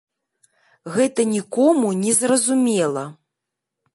Гэта нікому не зразумела.